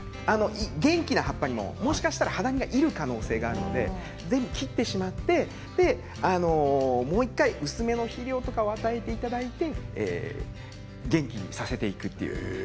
元気な葉っぱにも、もしかしたらハダニがいる可能性があるので切ってしまってもう１回薄めの肥料とかを与えていただいて元気にさせていく。